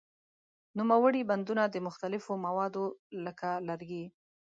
نوموړي بندونه د مختلفو موادو لکه لرګي.